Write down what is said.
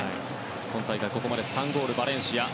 今大会、ここまで３ゴールのバレンシア。